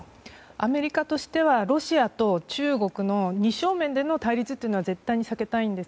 アメリカとしてはロシアと中国の二正面での対立は絶対に避けたいんです。